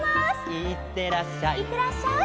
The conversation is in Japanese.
「いってらっしゃい」